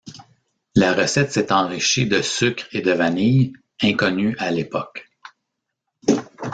La recette s'est enrichie de sucre et de vanille, inconnus à l'époque.